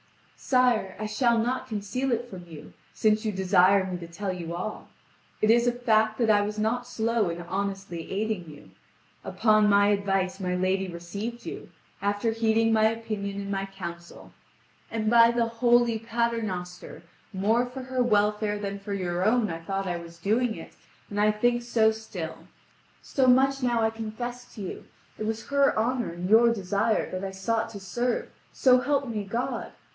"Sire, I shall not conceal it from you, since you desire me to tell you all. It is a fact that I was not slow in honestly aiding you. Upon my advice my lady received you, after heeding my opinion and my counsel. And by the Holy Paternoster, more for her welfare than for your own I thought I was doing it, and I think so still. So much now I confess to you: it was her honour and your desire that I sought to serve, so help me God!